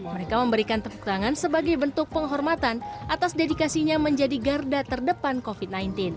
mereka memberikan tepuk tangan sebagai bentuk penghormatan atas dedikasinya menjadi garda terdepan covid sembilan belas